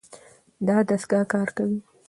دا دستګاه کار کوي.